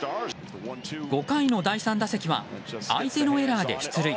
５回の第３打席は相手のエラーで出塁。